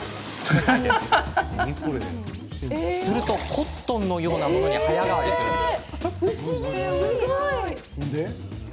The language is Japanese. すると、コットンのようなものに早変わりです。